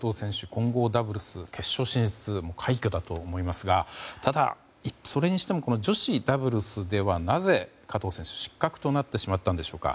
混合ダブルス決勝進出は快挙だと思いますがただ、それにしても女子ダブルスではなぜ加藤選手は失格となってしまったのでしょうか。